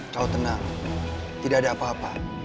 kau tenang tidak ada apa apa